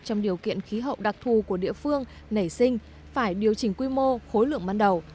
trong điều kiện khí hậu đặc thù của địa phương nảy sinh phải điều chỉnh quy mô khối lượng ban đầu